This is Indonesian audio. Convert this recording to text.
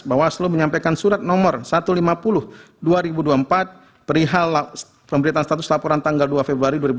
bawaslu menyampaikan surat nomor satu ratus lima puluh dua ribu dua puluh empat perihal pemberitaan status laporan tanggal dua februari dua ribu dua puluh